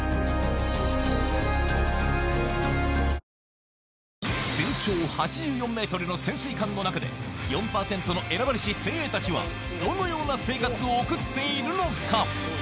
自動投入洗濯機には「ＮＡＮＯＸ」全長８４ｍの潜水艦の中で４％の選ばれし精鋭たちはどのような生活を送っているのか？